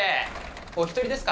お一人ですか？